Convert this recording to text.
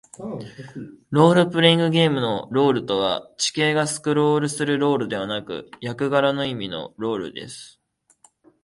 ロールプレイングゲームのロールとは、地形がスクロールするロールではなく、役柄の意味のロールです。